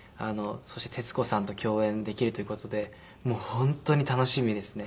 そして徹子さんと共演できるという事でもう本当に楽しみですね。